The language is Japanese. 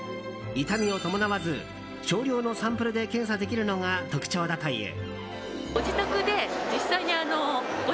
痛みを伴わず、少量のサンプルで検査できるのが特徴だという。